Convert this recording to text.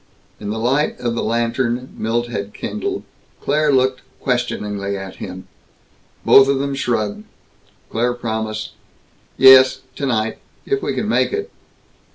In the light of the lantern Milt had kindled, Claire looked questioningly at him. Both of them shrugged. Claire promised, "Yes. Tonight. If we can make it."